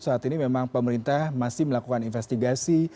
saat ini memang pemerintah masih melakukan investigasi